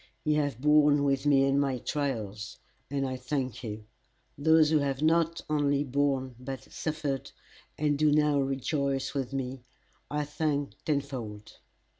Ye have borne with me in my trials, and I thank you. Those who have not only borne but suffered, and do now rejoice with me, I thank tenfold.